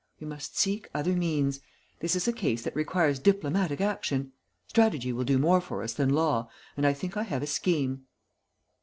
We must seek other means; this is a case that requires diplomatic action. Strategy will do more for us than law, and I think I have a scheme."